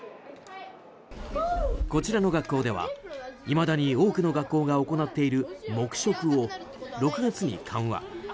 こちらの学校ではいまだに多くの学校が行っている黙食を６月に緩和。